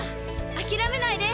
諦めないで！